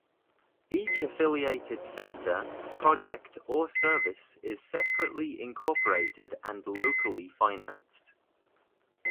Each affiliated center, project or service is separately incorporated and locally financed.